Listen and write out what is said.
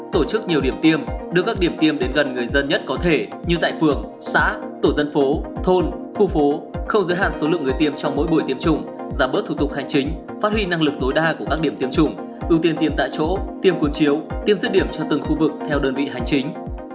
tổ chức nhiều điểm tiêm đưa các điểm tiêm đến gần người dân nhất có thể như tại phường xã tổ dân phố thôn khu phố không giới hạn số lượng người tiêm trong mỗi buổi tiêm chủng giảm bớt thủ tục hành chính phát huy năng lực tối đa của các điểm tiêm chủng ưu tiên tiêm tại chỗ tiêm cột chiếu tiêm rứt điểm cho từng khu vực theo đơn vị hành chính